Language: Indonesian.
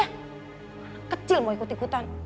ya kecil mau ikut ikutan